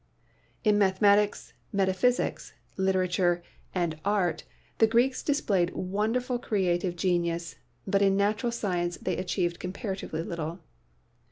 In mathematics, metaphysics, literature and art the 6 PHYSICS Greeks displayed wonderful creative genius, but in natural science they achieved comparatively little.